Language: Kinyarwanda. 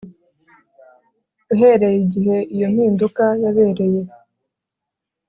Uhereye igihe iyo mpinduka yabereye